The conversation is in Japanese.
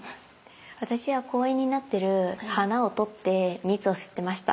私は公園になってる花を取って蜜を吸ってました。